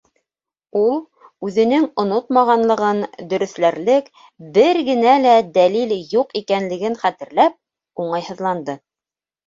Ул, үҙенең онотмағанлығын дөрөҫләрлек бер генә лә дәлил юҡ икәнлеген хәтерләп, уңайһыҙланды.